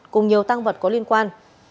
cùng nhiều tăng vật có liên quan